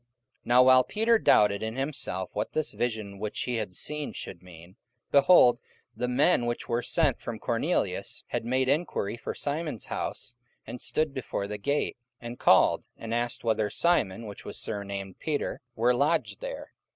44:010:017 Now while Peter doubted in himself what this vision which he had seen should mean, behold, the men which were sent from Cornelius had made enquiry for Simon's house, and stood before the gate, 44:010:018 And called, and asked whether Simon, which was surnamed Peter, were lodged there.